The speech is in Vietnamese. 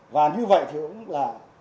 và như vậy thì cũng là